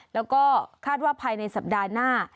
แล้วก็คาดว่าภายในสัปดาห์หน้า